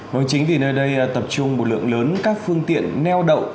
nói chính thì nơi đây tập trung một lượng lớn các phương tiện neo đậu